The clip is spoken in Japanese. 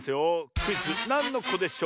クイズ「なんのこでショー」